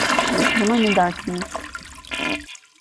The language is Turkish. Buna ne dersiniz?